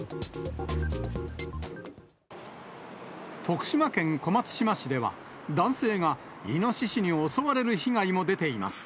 徳島県小松島市では、男性がイノシシに襲われる被害も出ています。